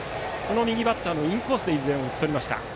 右バッターのインコースでいずれも打ち取りました。